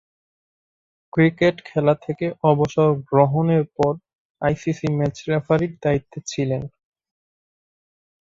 Cricket খেলা থেকে অবসর গ্রহণের পর আইসিসি ম্যাচ রেফারির দায়িত্বে ছিলেন।